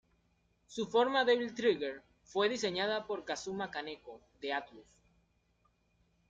Su forma "Devil Trigger" fue diseñada por Kazuma Kaneko de Atlus.